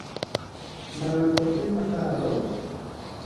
Malakordema paro?